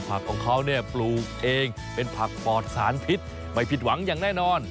ผักของเขาเนี่ยปลูกเองเป็นผักปอดสารพิษไม่ผิดหวังอย่างแน่นอน